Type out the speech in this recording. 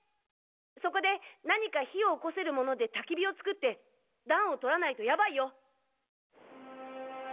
そこで何か火をおこせる物でたき火を作って暖を取らないとヤバイよ！